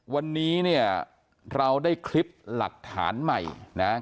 วันนี้เนี่ยเราได้คลิปหลักฐานใหม่นะ